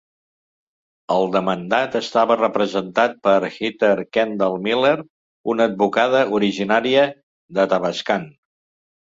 El demandat estava representat per Heather Kendall-Miller, una advocada originària d'Athabascan.